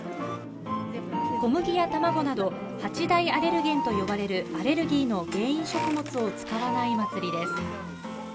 小麦や卵など、８大アレルゲンと呼ばれるアレルギーの原因食物を使わない祭りです。